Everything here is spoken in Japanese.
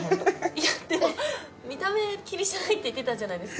いやでも見た目気にしないって言ってたじゃないですか。